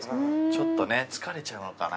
ちょっとね疲れちゃうのかな。